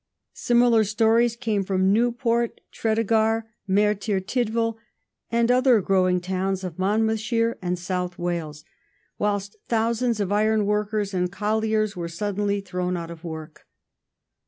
Similar stories came from Newport, Tredegar, Merthyr Tydvil, and other growing towns of Monmouth shire and South Wales, whilst thousands of iron workers and colliers were suddenly thrown out of work.